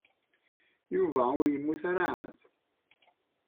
Yuba ur yemmut ara ɛad.